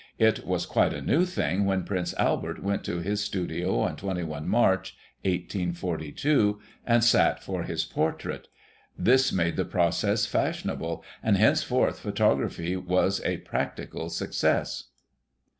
It was quite a new thing when Prince Albert went to his studio on 21 Mar., 1842, and sat for his portrait. This made the process fashionable, and henceforth photography was a prac tical success.